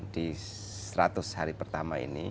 di seratus hari pertama ini